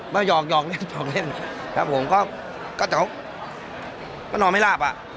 ไม่หยอกหยอกเล่นหยอกเล่นครับผมก็เขาก็นอนไม่ลาบอ่ะ